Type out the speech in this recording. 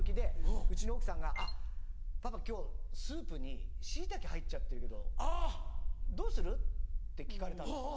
うちの奥さんが「あっパパ今日スープにシイタケ入っちゃってるけどどうする？」って聞かれたんです。